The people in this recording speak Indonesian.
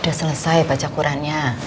udah selesai baca qurannya